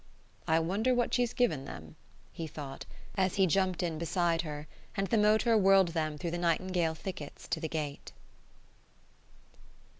"I wonder what she's given them?" he thought, as he jumped in beside her and the motor whirled them through the nightingale thickets to the gate.